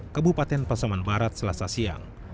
kabupaten pasaman barat selasa siang